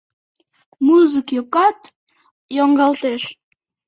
Музык йӱкат йоҥгалтеш: